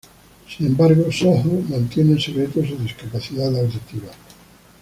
Sin embargo, Soo-ho mantiene en secreto su discapacidad auditiva.